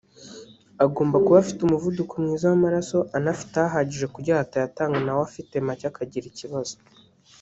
Agomba kuba afite umuvuduko mwiza w’amaraso anafite ahagije kugira ngo atayatanga na we afite make akagira ikibazo